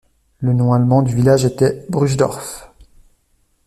Le nom allemand du village était Bruchdorf.